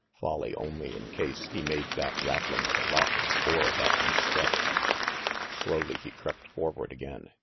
Folly only in case he made that rattling of a rock, or that misstep. Slowly he crept forward again.